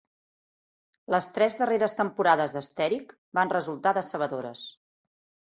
Les tres darreres temporades d'Estherick van resultar decebedores.